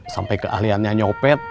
sampai keahliannya nyopet